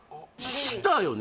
したよね？